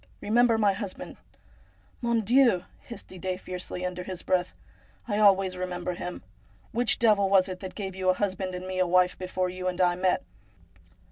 Eemember my husband !'' Mon Dieu !' hissed Didet fiercely, under his breath, ' I always remember him. Which devil was it that gave you a husband and me a wife before you and I met